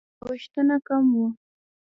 نوښتونه کم وو.